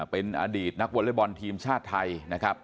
เป็นอดีตนักวอเล็กบอลทีมชาติไทยนะครับ